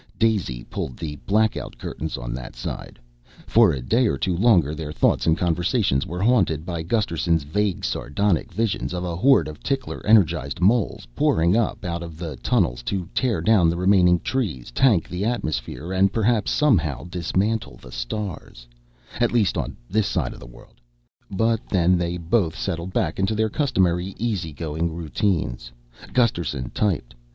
Daisy pulled the black out curtains on that side. For a day or two longer their thoughts and conversations were haunted by Gusterson's vague sardonic visions of a horde of tickler energized moles pouring up out of the tunnels to tear down the remaining trees, tank the atmosphere and perhaps somehow dismantle the stars at least on this side of the world but then they both settled back into their customary easy going routines. Gusterson typed.